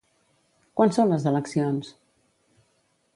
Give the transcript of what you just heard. Quan són les eleccions?